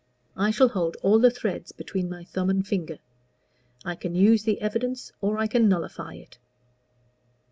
I shall hold all the threads between my thumb and finger. I can use the evidence or I can nullify it.